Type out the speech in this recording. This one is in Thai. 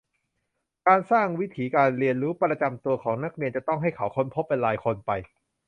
การสร้างวิถีการเรียนรู้ประจำตัวของนักเรียน จะต้องให้เขาค้นพบเป็นรายคนไป